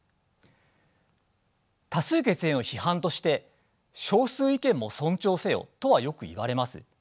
多数決への批判として「少数意見も尊重せよ」とはよく言われます。